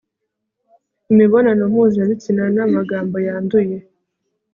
imibonano mpuzabitsina n'amagambo yanduye